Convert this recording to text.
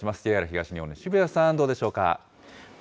ＪＲ東日本の渋谷さん、どうでしょうか？